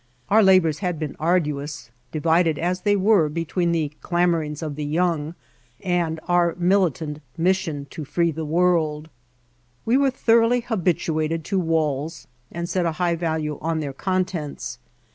Our labors had been arduous, divided as they were between the clamorings of the young and our militant mis sion to free the world; we were thoroughly habituated to walls and set a high value on their contents.